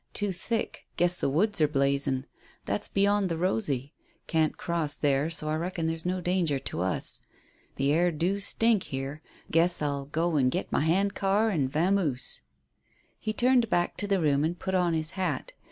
"Too thick. Guess the woods are blazin'. That's beyond the Rosy. Can't cross there, so I reckon there's no danger to us. The air do stink here; guess I'll go and git my hand car and vamoose." He turned back to the room and put on his hat.